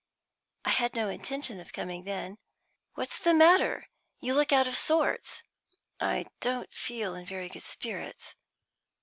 "I had no intention of coming then." "What's the matter? You look out of sorts." "I don't feel in very good spirits.